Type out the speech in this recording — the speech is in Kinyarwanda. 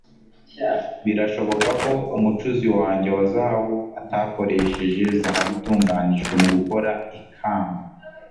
birashoboka ko umucuzi wanjye wa zahabu atakoresheje zahabu itunganijwe mu gukora ikamba